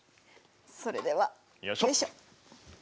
それではよいしょ！